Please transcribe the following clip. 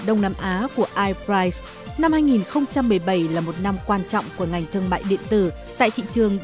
đông nam á được dự báo bình quân ba mươi bảy sáu mỗi năm giữa những năm khoảng hai nghìn một mươi ba hai nghìn một mươi tám đưa giá trị giao dịch từ bảy tỷ lên ba mươi bốn năm tỷ usd